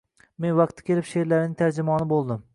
Men vaqti kelib she’rlarining tarjimoni bo‘ldim.